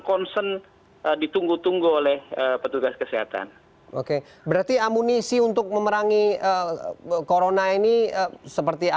concern ditunggu tunggu oleh petugas kesehatan oke berarti amunisi untuk memerangi corona ini seperti